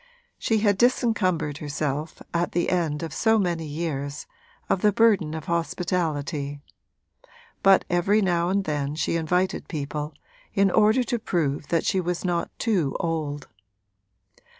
She had disencumbered herself, at the end of so many years, of the burden of hospitality; but every now and then she invited people, in order to prove that she was not too old.